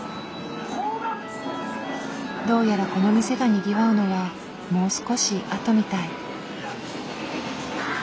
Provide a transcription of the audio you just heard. どうやらこの店がにぎわうのはもう少しあとみたい。